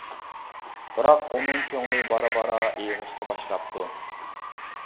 بىراق ئۇنىڭ كۆڭلى بارا-بارا ئېغىشقا باشلاپتۇ.